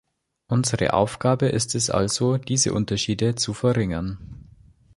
Unsere Aufgabe ist es also, diese Unterschiede zu verringern.